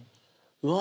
うわ